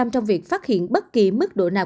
trong việc phát hiện bất kỳ mức độ nào